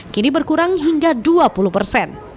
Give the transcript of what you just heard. kini berkurang hingga dua puluh persen